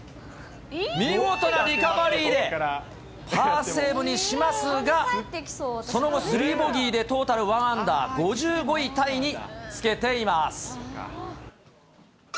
見事なリカバリーでパーセーブにしますが、その後、３ボギーでトータル１アンダー、５５位タイにつけています。